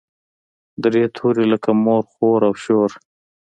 درې توري لکه مور، خور او شور.